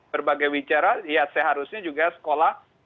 berbagai bicara ya seharusnya juga sekolah